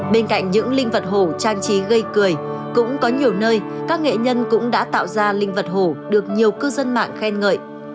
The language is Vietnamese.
bên cạnh những linh vật hồ trang trí gây cười cũng có nhiều nơi các nghệ nhân cũng đã tạo ra linh vật hồ được nhiều cư dân mạng khen ngợi